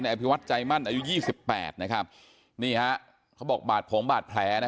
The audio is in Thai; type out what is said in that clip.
นายหน่อยพิวัติใจมั่นอายุ๒๘นะครับนี่แล้วเขาบอกบาดผงบาดแผลนะ